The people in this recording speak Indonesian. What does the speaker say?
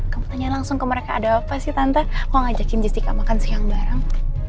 kamu tanyain langsung ke mereka ada apa sih tante aku ngajakin jessica makan siang bareng